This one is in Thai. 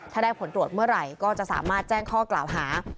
ถ้าได้ผลตรวจเมื่อไหร่ก็จะสามารถแจ้งข้อกล่าวหา